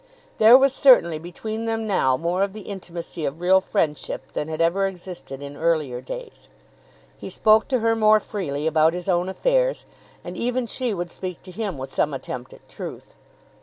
There was certainly between them now more of the intimacy of real friendship than had ever existed in earlier days. He spoke to her more freely about his own affairs, and even she would speak to him with some attempt at truth.